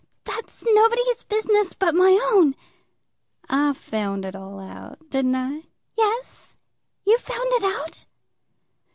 That's nobody's business but my own." "I found it all out; didn't I?" "Yes; you found it out."